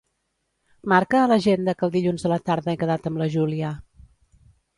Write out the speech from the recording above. Marca a l'agenda que el dilluns a la tarda he quedat amb la Júlia.